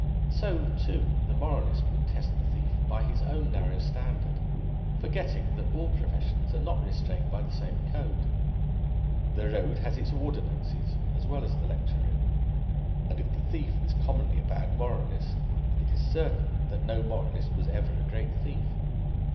So, too, the moralist would test the thief by his own narrow standard, forgetting that all professions are not restrained by the same code. The road has its ordinances as well as the lecture room; and if the thief is commonly a bad moralist, it is certain that no moralist was ever a great thief.